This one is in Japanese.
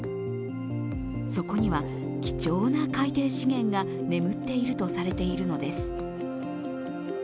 そこには、貴重な海底資源が眠っているとされているのです。